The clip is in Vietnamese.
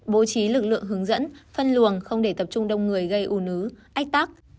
bố trí lực lượng hướng dẫn phân luồng không để tập trung đông người gây ủ nứ ách tắc